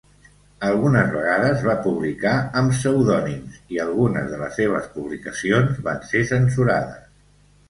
Algunes vegades va publicar amb pseudònims, i algunes de les seves publicacions van ser censurades.